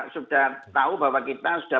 sudah tahu bahwa kita sudah